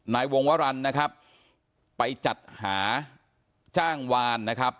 นายวงวรรณนะครับไปจัดหาจ้างวานนะครับ